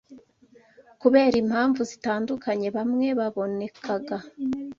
kubera impamvu zitandukanye, bamwe babonekaga